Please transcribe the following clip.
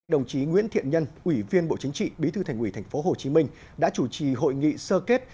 đồng chí nguyễn thiện nhân ủy viên bộ chính trị bí thư thành ủy tp hcm đã chủ trì hội nghị sơ kết